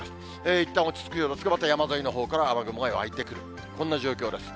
いったん落ち着くようですけれども、また山沿いのほうから雨雲が湧いてくる、こんな状況です。